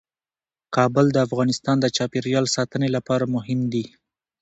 کابل د افغانستان د چاپیریال ساتنې لپاره مهم دي.